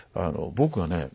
僕はね